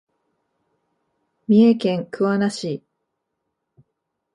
三重県桑名市